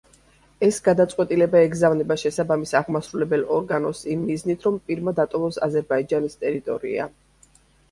ეს გადაწყვეტილება ეგზავნება შესაბამის აღმასრულებელ ორგანოს იმ მიზნით, რომ პირმა დატოვოს აზერბაიჯანის ტერიტორია.